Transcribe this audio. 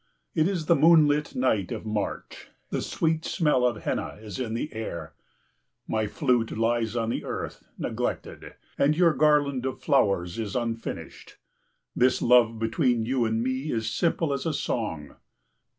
It is the moonlit night of March; the sweet smell of henna is in the air; my flute lies on the earth neglected and your garland of flowers in unfinished. This love between you and me is simple as a song.